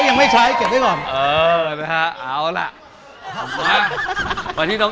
ยังไม่ใช้เก็บได้ก่อน